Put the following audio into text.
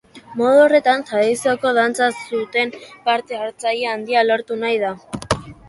Modu horretan, tradizioko dantzek zuten parte-hartze handia lortu nahi da.